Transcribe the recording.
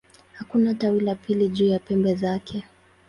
Hakuna tawi la pili juu ya pembe zake.